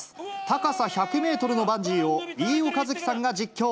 高さ１００メートルのバンジーを、飯尾和樹さんが実況。